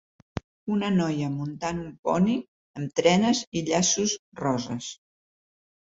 Una noia muntant un poni amb trenes i llaços roses